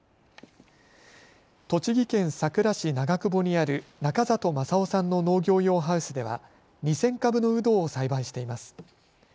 栃木県さくら市長久保にある中里正夫さんの農業用ハウスでは２０００株のウドを栽培しています。